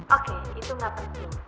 oke itu gak penting